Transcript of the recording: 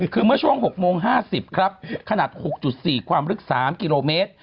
คือเมื่อช่วง๖โมง๕๐ครับขนาด๖๔ความลึก๓กิโลเมตร